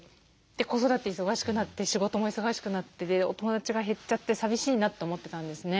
子育て忙しくなって仕事も忙しくなってお友だちが減っちゃって寂しいなって思ってたんですね。